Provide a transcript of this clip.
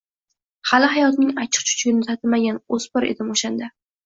Hali hayotning achchiq-chuchugini tatimagan oʻsmir edim oʻshanda.